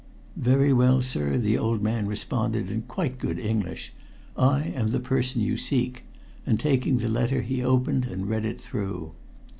"Very well, sir," the old man responded in quite good English. "I am the person you seek," and taking the letter he opened it and read it through.